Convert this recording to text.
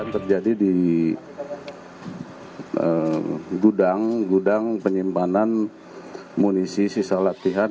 terjadi di gudang penyimpanan amunisi sisa latihan